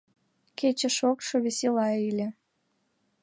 Кече шокшо, весела ыле.